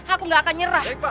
aku gak akan nyerah